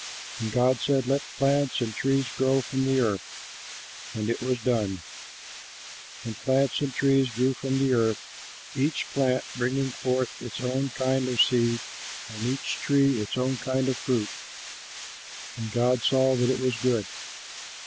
And God said, "Let plants and trees grow from the earth." And it was done. And plants and trees grew from the earth, each plant bringing forth its own kind of seed and each tree its own kind of fruit, and God saw that it was good.